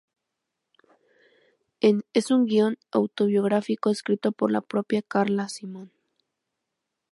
Es un guion autobiográfico escrito por la propia Carla Simón.